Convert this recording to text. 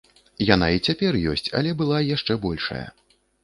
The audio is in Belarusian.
Яна і цяпер ёсць, але была яшчэ большая.